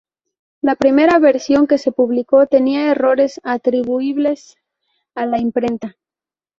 La primera versión que se publicó tenía errores atribuibles a la imprenta.